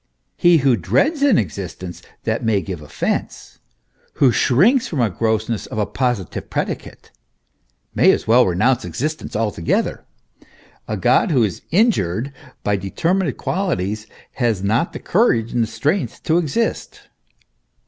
He who dreads an existence that may give offence, who shrinks from the grossness of a positive predicate, may as well renounce exis tence altogether. A God who is injured by determinate quali ties has not the courage and the strength to exist.